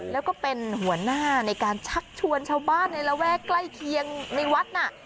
แล้วก็เป็นหัวหน้าในการชักชวนชาวบ้านในระแวกใกล้เคียงในวัดน่ะ